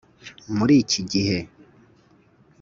muri iki gihe,